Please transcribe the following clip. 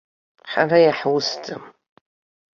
Ҳара иаҳусӡам.